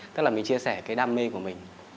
tức là mình chia sẻ cái đam mê của mình